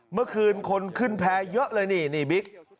เมื่อคืนคนขึ้นแพ้เยอะเลยนี่บิ๊ก